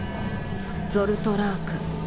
ゾルトラーク。